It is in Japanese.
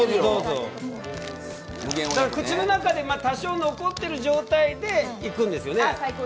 口の中に多少残ってる状態でいくんですね？